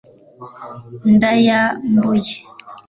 ndayambuye